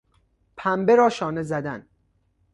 پنبه راشانه زدن